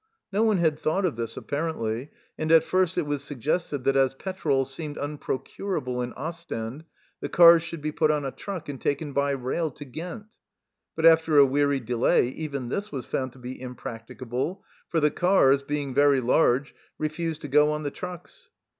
No one had thought of this, apparently, and at first it was suggested that as petrol seemed unprocurable in Ostend, the cars should be put on a truck and taken by rail to Ghent ; but after a weary delay even this was found to be impracticable, for the cars, being very large, refused to go on the trucks.